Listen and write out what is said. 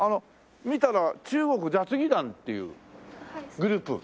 見たら中国雑技団っていうグループ。